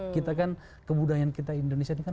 kita kan kebudayaan kita indonesia ini kan